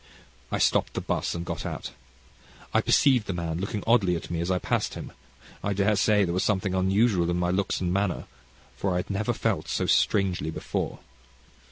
"I stopped the 'bus and got out. I perceived the man look oddly at me as I paid him. I dare say there was something unusual in my looks and manner, for I had never felt so strangely before."